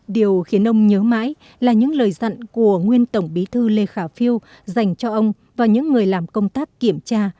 điều khiến ông nhớ mãi là những lời dặn của nguyên tổng bí thư lê khả phiêu dành cho ông và những người làm công tác kiểm tra